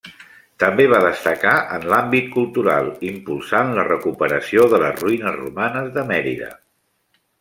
També va destacar en l'àmbit cultural, impulsant la recuperació de les ruïnes romanes de Mèrida.